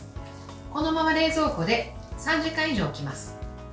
このまま冷蔵庫で３時間以上置きます。